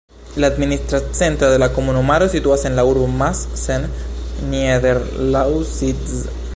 La administra centro de la komunumaro situas en la urbo Massen-Niederlausitz.